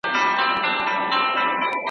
برښنا تولید کړئ.